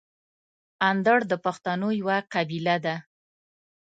اندړ د پښتنو یوه قبیله ده.